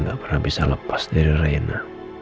gak pernah bisa lepas dari raina